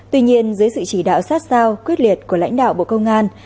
tuy nhiên dưới sự chỉ đạo sát sao quyết liệt của lãnh đạo bộ công an